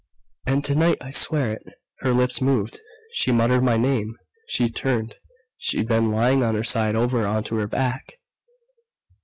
"And tonight I swear it her lips moved! She muttered my name! She turned she'd been lying on her side over onto her back!"